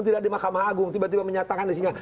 tidak ada di mahkamah agung tiba tiba menyatakan isinya